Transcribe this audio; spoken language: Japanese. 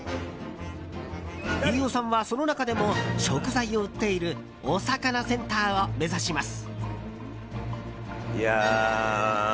飯尾さんは、その中でも食材を売っているおさかなセンターを目指します。